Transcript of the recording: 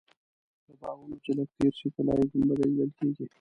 له باغونو چې لږ تېر شې طلایي ګنبده لیدل کېږي.